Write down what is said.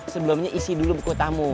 sebelumnya isi dulu buku tamu